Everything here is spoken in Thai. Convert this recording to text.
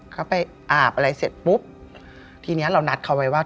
เขาไปอาบอะไรเสร็จปุ๊บทีเนี้ยเรานัดเขาไว้ว่า